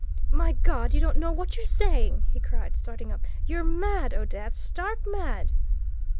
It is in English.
"My God! You don't know what you're saying," he cried, starting up. "You're mad, Odette, stark mad!"